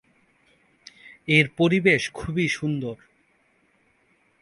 এর পরিবেশ খুবই সুন্দর।